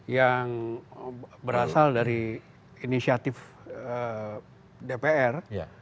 yang berasal dari inisiatif dpr